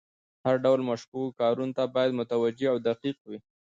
هر ډول مشکوکو کارونو ته باید متوجه او دقیق وي.